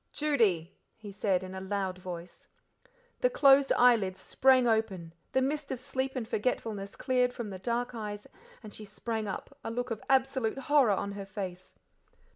"Judy," he said in a loud voice. The closed eyelids sprang open, the mist of sleep and forgetfulness cleared from the dark eyes, and she sprang up, a look of absolute horror on her face.